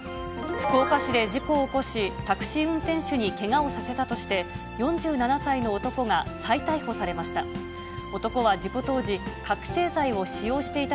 福岡市で事故を起こし、タクシー運転手にけがをさせたとして、４７歳の男が再逮捕されました。